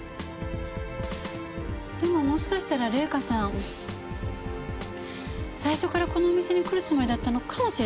でももしかしたら玲香さん最初からこのお店に来るつもりだったのかもしれませんね。